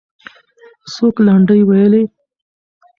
څوک لنډۍ وویلې؟